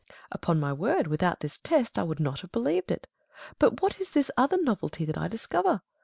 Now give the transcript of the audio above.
Hercules. Upon my word, without this test, I would not have believed it. But what is this other novelty that I discover